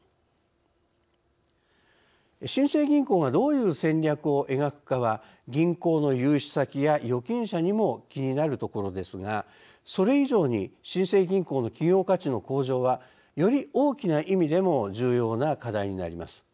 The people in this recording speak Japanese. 新生銀行がどういう戦略を描くかは銀行の融資先や預金者にも気になるところですがそれ以上に新生銀行の企業価値の向上はより大きな意味でも重要な課題になります。